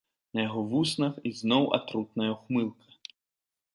На яго вуснах ізноў атрутная ўхмылка.